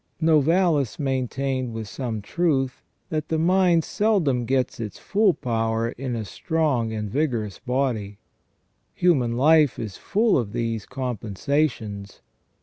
Novalis maintained, with some truth, that the mind seldom gets its full power in a strong and vigorous body. Human life is full of these compensations.